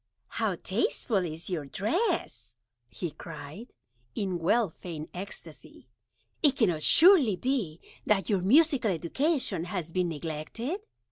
"How tasteful is your Dress," he cried, in well feigned Ecstacy; "it cannot surely be that your Musical Education has been neglected?